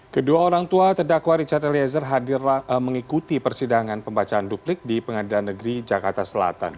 kedua orang tua terdakwa richard eliezer hadir mengikuti persidangan pembacaan duplik di pengadilan negeri jakarta selatan